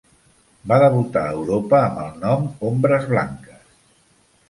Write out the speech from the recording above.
Va debutar a Europa amb el nom "Ombres blanques".